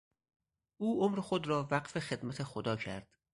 او عمر خود را وقف خدمت خدا کرد.